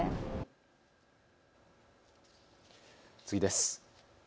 次です。